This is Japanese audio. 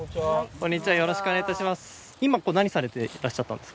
こんにちはよろしくお願いいたします。